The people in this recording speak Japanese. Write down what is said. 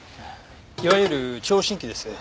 いわゆる聴診器です。